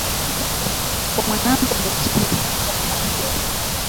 kwa mwanangu angetolewa hukumu kama hiyo